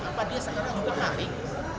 apa dia sekarang juga panik